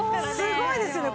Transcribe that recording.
すごいですよね